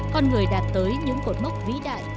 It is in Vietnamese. con người đạt tới những cột mốc vĩ đại